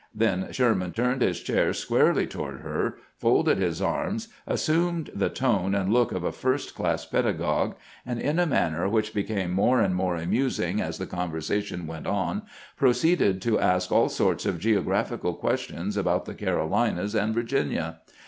Then Sherman turned his chair squarely toward her, folded his arms, assumed the tone and look of a first class pedagogue, COLLOQUY BETWEEN MRS. GBANT AND SHERMAN 421 and, ill a manner wliicli became more and more amus ing as the conversation went on, proceeded to ask all sorts of geographical questions about the Carolinas and Virginia.